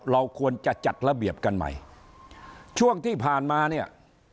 เราควรจะจัดระเบียบกันใหม่ช่วงที่ผ่านมาเนี่ย